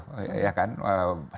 sangat memusuhi sangat hostile gitu